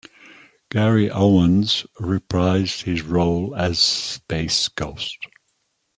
Gary Owens reprised his role as Space Ghost.